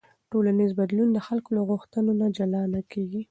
ټولنیز بدلون د خلکو له غوښتنو نه جلا نه کېږي.